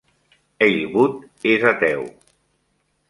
Heilbut és ateu.